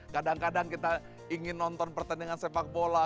kadang kadang kita ingin nonton pertandingan sepak bola